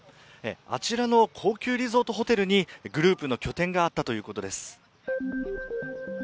あちらの高級リゾートホテルにグループの拠点があったということです。